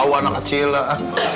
kau tau anak kecil lah